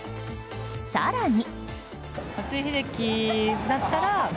更に。